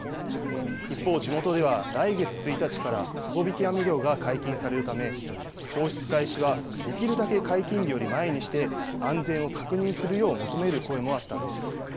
一方、地元では来月１日から底引き網漁が解禁されるため、放出開始はできるだけ解禁日より前にして、安全を確認するよう求める声もあったんです。